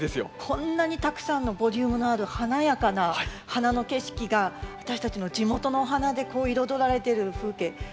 こんなにたくさんのボリュームのある華やかな花の景色が私たちの地元のお花で彩られてる風景圧巻で私も感動しております。